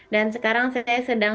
dan sekarang saya sedang